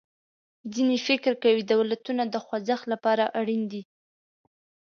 ځینې فکر کوي دولتونه د خوځښت له پاره اړین دي.